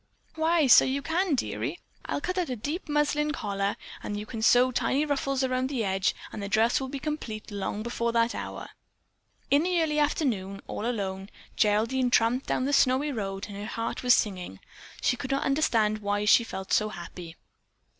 "Why, so you can, dearie. I'll cut out a deep muslin collar and you can sew tiny ruffles around the edge and the dress will be complete long before that hour." In the early afternoon, all alone, Geraldine tramped down the snowy road and her heart was singing. She could not understand why she felt so happy.